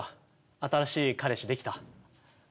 新しい彼氏できた？